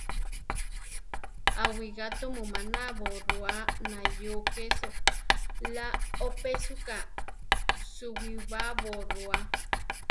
Awigá tumu manábo rua nayó késo; Iá oʼpésuka suwibabo rua.